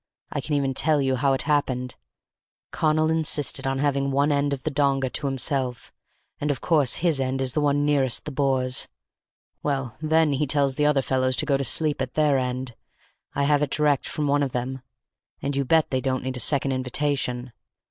I can even tell you how it happened. Connal insisted on having one end of the donga to himself, and of course his end is the one nearest the Boers. Well, then, he tells the other fellows to go to sleep at their end—I have it direct from one of them—and you bet they don't need a second invitation.